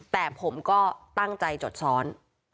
แต่ผมก็ตั้งใจจดซ้อน